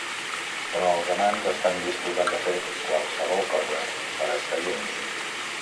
Però els amants estan disposats a fer qualsevol cosa per estar junts.